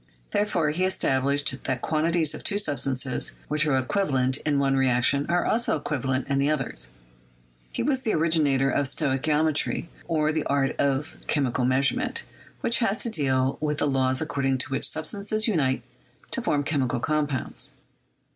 Therefore, he established that quantities of two substances which are equivalent in one reaction are also equivalent in others; he was the originator of stoichiometry, or "the art of chemical measurement, which has to deal with the laws according to which substances unite to form chemi cal compounds."